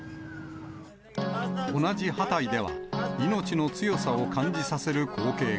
同じハタイでは、命の強さを感じさせる光景が。